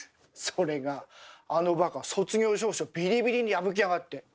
それがあのバカ卒業証書ビリビリに破きやがって！